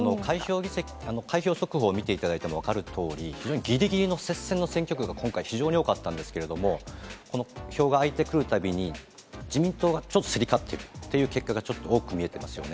開票速報を見ていただいても分かるとおり、非常にぎりぎりの接戦の選挙区が今回、非常に多かったんですけれども、この票が開いてくるたびに、自民党がちょっと競り勝っているという結果が多く見えてますよね。